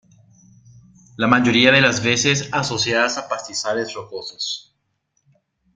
La mayoría de las veces asociadas a pastizales rocosos.